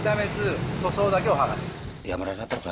dan menggunakan air panas yang sangat ramah